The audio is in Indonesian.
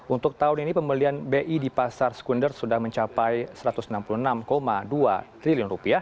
untuk tahun ini pembelian bi di pasar sekunder sudah mencapai rp satu ratus enam puluh enam dua triliun